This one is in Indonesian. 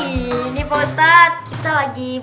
ya ustadz lah